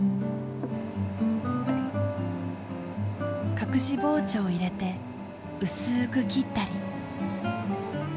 隠し包丁を入れて薄く切ったり。